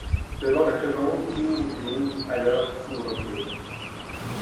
Devant la seconde tour du Louvre… à l’heure du couvre-feu.